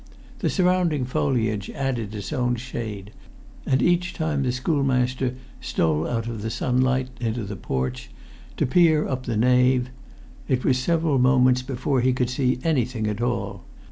The surrounding foliage added its own shade; and each time the schoolmaster stole out of the sunlight into the porch, to peer up the nave, it was several moments before he could see anything at all.